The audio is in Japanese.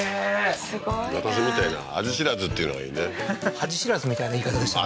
すごいな「私みたいな味知らず」っていうのがいいね恥知らずみたいな言い方でしたね